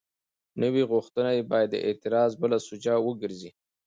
نوې غوښتنه باید د اعتراض بله سوژه وګرځي.